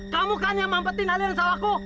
kamu kan yang mampetin aliran sawaku